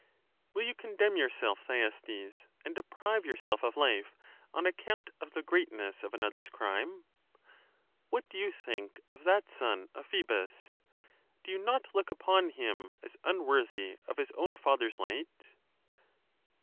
Will you condemn yourself, Thyestes, and deprive yourself of life, on account of the greatness of another's crime? What do you think of that son of Pheebus? Do you not look upon him as unworthy of his own father's light